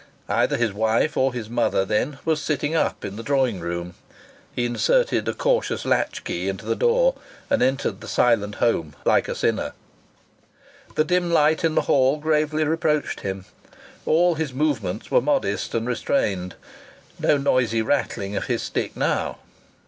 Either his wife or his mother, then, was sitting up in the drawing room. He inserted a cautious latch key into the door and entered the silent home like a sinner. The dim light in the hall gravely reproached him. All his movements were modest and restrained. No noisy rattling of his stick now!